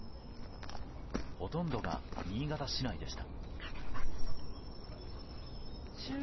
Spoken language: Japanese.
ほとんどが新潟市内でした。